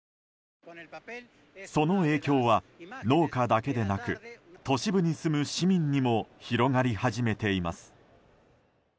その影響は農家だけでなく都市部に住む市民にも広がり始めています。